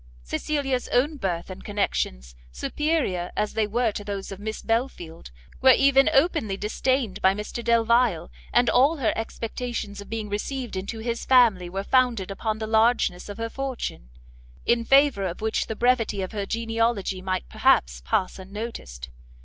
Cecilia's own birth and connections, superior as they were to those of Miss Belfield, were even openly disdained by Mr Delvile, and all her expectations of being received into his family were founded upon the largeness of her fortune, in favour of which the brevity of her genealogy might perhaps pass unnoticed.